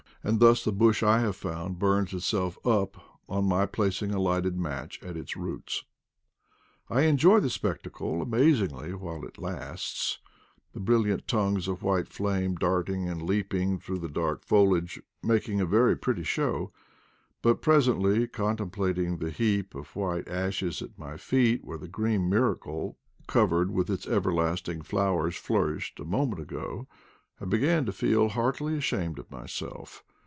And thus 138 IDLE DATS IN PATAGONIA the bush I have found burns itself up on my plac ing a lighted match at its roots. I enjoy the spectacle amazingly while it lasts, the* brilliant tongues of white flame darting and leaping through the dark foliage making a very pretty show; but presently, contemplating the heap of white ashes at my feet where the green miracle, covered with its everlasting flowers, flour ished a moment ago, I began to feel heartily ashamed of myself.